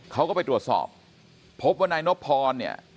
เขาก็ไปตรวจสอบพบว่านายนบพรเนี่ย